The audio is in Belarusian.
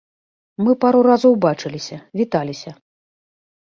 Мы пару разоў бачыліся, віталіся.